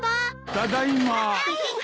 ただいま。